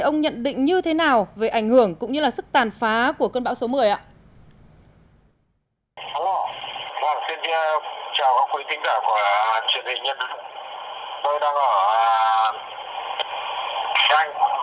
ông nhận định như thế nào về ảnh hưởng cũng như là sức tàn phá của cơn bão số một mươi ạ